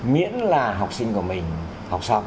miễn là học sinh của mình học xong